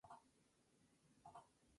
Está enlistado como zona protegida.